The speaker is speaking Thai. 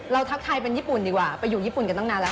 ทักทายเป็นญี่ปุ่นดีกว่าไปอยู่ญี่ปุ่นกันตั้งนานแล้ว